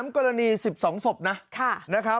๑๓กรณี๑๒ศพนะ